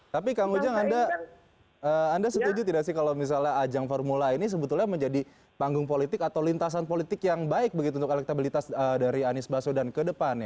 tapi kang ujang anda setuju tidak sih kalau misalnya ajang formula ini sebetulnya menjadi panggung politik atau lintasan politik yang baik begitu untuk elektabilitas dari anies baswedan ke depan